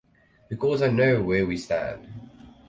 Because I know where we stand.